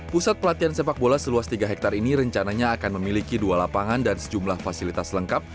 pusat pelatihan sepak bola seluas tiga hektare ini rencananya akan memiliki dua lapangan dan sejumlah fasilitas lengkap